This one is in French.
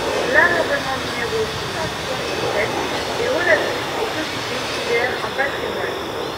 L’amendement numéro six cent soixante-dix-sept est relatif aux sociétés qui gèrent un patrimoine.